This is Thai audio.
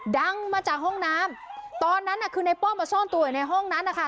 ดังมาจากห้องน้ำตอนนั้นน่ะคือในป้อมมาซ่อนตัวอยู่ในห้องนั้นนะคะ